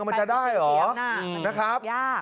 มันจะได้เหรอนะครับยาก